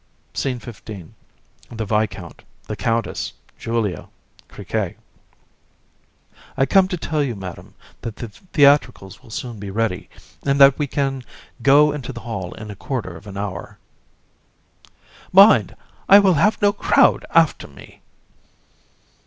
SCENE XV. THE VISCOUNT, THE COUNTESS, JULIA, CRIQUET. VISC. I come to tell you, Madam, that the theatricals will soon be ready, and that we can go into the hall in a quarter of an hour. COUN. Mind, I will have no crowd after me.